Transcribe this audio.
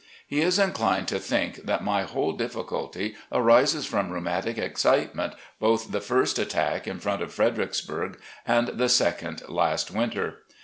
He is inclined to think that my whole diffi culty arises from rheumatic excitement, both the first attack in front of Fredericksburg and the second last winter.